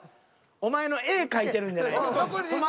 お前の絵描いてるんじゃないねん。